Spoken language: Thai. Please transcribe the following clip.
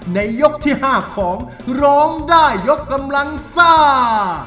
ยกที่๕ของร้องได้ยกกำลังซ่า